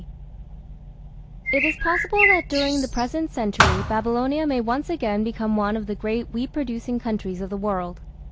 It is possible that during the present century Babylonia may once again become one of the great wheat producing countries of the world.